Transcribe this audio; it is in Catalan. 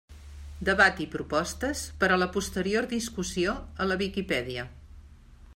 Debat i propostes per a la posterior discussió a la Viquipèdia.